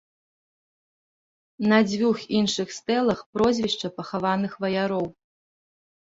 На дзвюх іншых стэлах прозвішча пахаваных ваяроў.